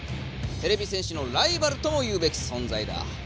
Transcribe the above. てれび戦士のライバルとも言うべきそんざいだ。